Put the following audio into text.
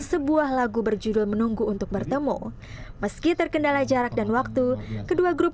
sebuah lagu berjudul menunggu untuk bertemu meski terkendala jarak dan waktu kedua grup